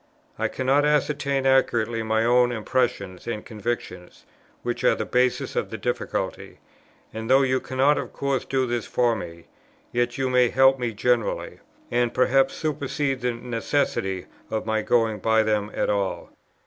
I cannot ascertain accurately my own impressions and convictions, which are the basis of the difficulty, and though you cannot of course do this for me, yet you may help me generally, and perhaps supersede the necessity of my going by them at all.